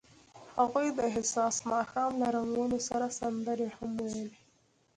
هغوی د حساس ماښام له رنګونو سره سندرې هم ویلې.